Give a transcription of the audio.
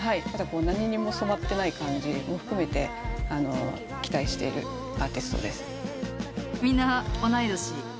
何にも染まってない感じも含めて期待しているアーティストです。